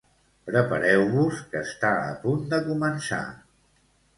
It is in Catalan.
Prepareu-vos que està a punt de començar.